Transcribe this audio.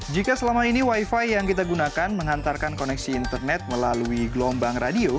jika selama ini wifi yang kita gunakan menghantarkan koneksi internet melalui gelombang radio